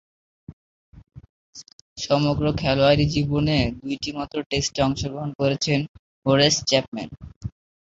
সমগ্র খেলোয়াড়ী জীবনে দুইটিমাত্র টেস্টে অংশগ্রহণ করেছেন হোরেস চ্যাপম্যান।